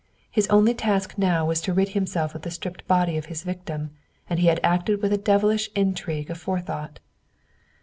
His only task now was to rid himself of the stripped body of his victim, and he had acted with a devilish ingenuity of forethought.